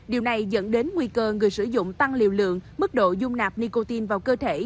điều này dẫn đến nguy cơ người sử dụng tăng liều lượng mức độ dung nạp nicotine vào cơ thể